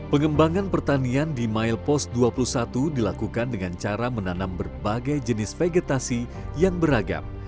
pengembangan pertanian di milepost dua puluh satu dilakukan dengan cara menanam berbagai jenis vegetasi yang beragam